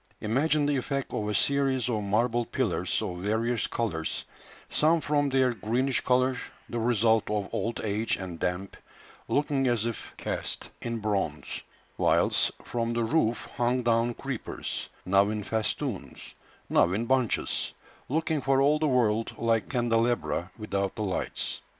Imagine the effect of a series of marble pillars of various colours, some from their greenish colour, the result of old age and damp, looking as if cast in bronze, whilst from the roof hung down creepers, now in festoons, now in bunches, looking for all the world like candelabra without the lights.